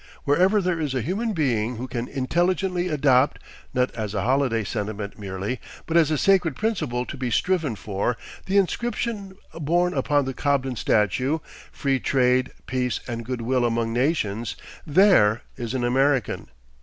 Wherever there is a human being who can intelligently adopt, not as a holiday sentiment merely, but as a sacred principle to be striven for, the inscription borne upon the Cobden statue: "Free trade, peace, and good will among nations," there is an American.